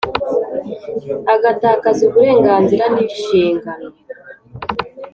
Agatakaza uburenganzira n inshingano